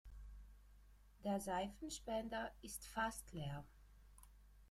Der Seifenspender ist fast leer.